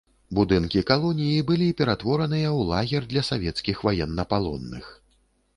Будынкі калоніі былі ператвораныя ў лагер для савецкіх ваеннапалонных.